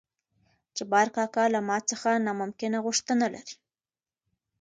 جبار کاکا له ما څخه نامکنه غوښتنه لري.